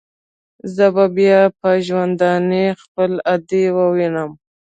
زه به بيا په ژوندوني خپله ادې ووينم.